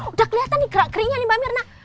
udah kelihatan nih gerak geriknya nih mbak mirna